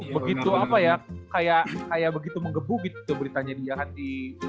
begitu apa ya kayak begitu menggebu gitu beritanya dia kan di